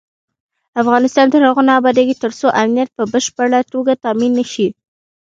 افغانستان تر هغو نه ابادیږي، ترڅو امنیت په بشپړه توګه تامین نشي.